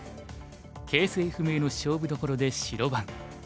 形勢不明の勝負どころで白番。